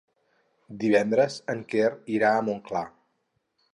Divendres en Quer irà a Montclar.